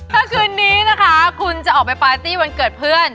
ถ้าคืนนี้นะคะคุณจะออกไปปาร์ตี้วันเกิดเพื่อน